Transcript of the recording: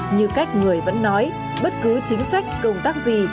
như cách người vẫn nói bất cứ chính sách công tác gì